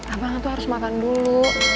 abang tuh harus makan dulu